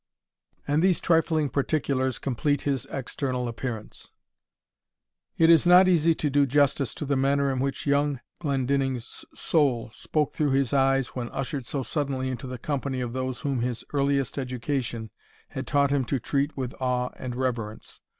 And these trifling particulars complete his external appearance. It is not easy to do justice to the manner in which young Glendinning's soul spoke through his eyes when ushered so suddenly into the company of those whom his earliest education had taught him to treat with awe and reverence.